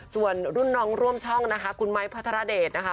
ส่วนรุ่นน้องร่วมช่องนะคะคุณไมค์พระธรเดช